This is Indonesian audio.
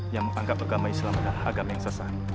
yang menganggap agama islam adalah agama yang sesat